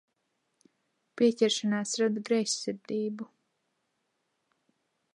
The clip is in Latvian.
Pieķeršanās rada greizsirdību.